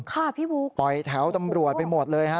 ค่ะพี่บุ๊คปล่อยแถวตำรวจไปหมดเลยฮะ